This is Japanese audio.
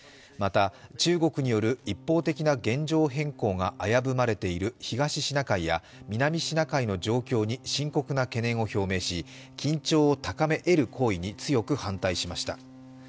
また、中国による一方的な現状変更が危ぶまれている東シナ海や南シナ海の状況に深刻な懸念を表明し、緊張を高めえる行為に強く反対しました。